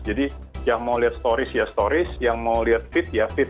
jadi yang mau lihat stories ya stories yang mau lihat feed ya feed